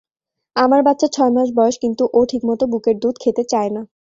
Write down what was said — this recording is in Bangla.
আমার বাচ্চার ছয় মাস বয়স কিন্তু ও ঠিকমত বুকের দুধ খেতে চায় না।